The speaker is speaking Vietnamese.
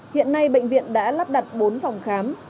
hiện nay bệnh viện đã lắp đặt bốn phòng khám